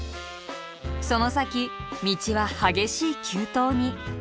その先道は激しい急登に。